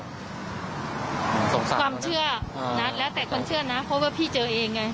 ความเชื่อนะแล้วแต่คนเชื่อนะเพราะว่าพี่เจอเองไง